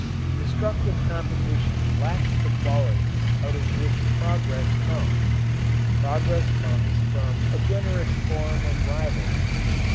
Destructive competition lacks the qualities out of which progress comes. Progress comes from a generous form of rivalry.